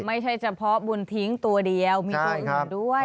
ไม่ใช่เฉพาะบุญทิ้งตัวเดียวมีตัวอื่นด้วย